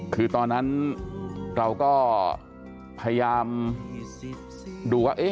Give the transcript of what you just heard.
คือตอนนั้นเราก็พยายามดูว่า